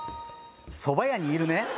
「そば屋にいるね」？